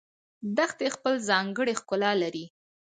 دښتې خپل ځانګړی ښکلا لري